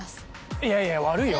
いやいや悪いよ。